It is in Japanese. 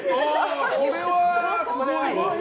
これはすごいわ。